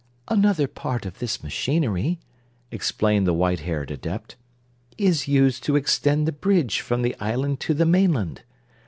"Another part of this machinery," explained the white haired Adept, "is used to extend the bridge from the island to the mainland.